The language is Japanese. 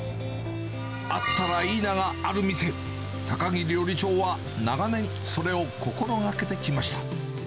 あったらいいながある店、高木料理長は、長年それを心がけてきました。